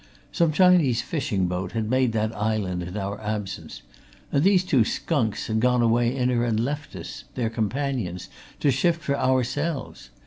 Some Chinese fishing boat had made that island in our absence, and these two skunks had gone away in her and left us, their companions, to shift for ourselves.